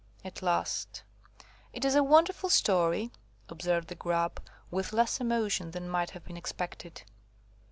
At last–"It is a wonderful story," observed the Grub, with less emotion than might have been expected.